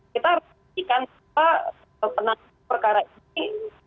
kita harus mengikuti perkara ini